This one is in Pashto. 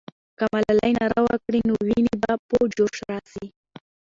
که ملالۍ ناره وکړي، نو ويني به په جوش راسي.